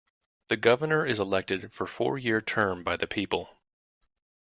The governor is elected for four-year term by the people.